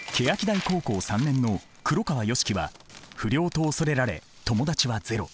欅台高校３年の黒川良樹は不良と恐れられ友達はゼロ。